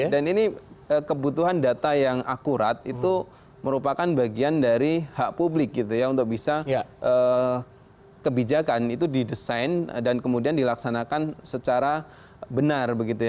dan ini kebutuhan data yang akurat itu merupakan bagian dari hak publik gitu ya untuk bisa kebijakan itu didesain dan kemudian dilaksanakan secara benar begitu ya